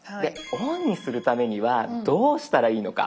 オンにするためにはどうしたらいいのか？